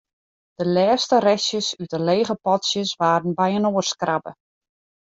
De lêste restjes út de lege potsjes waarden byinoarskrabbe.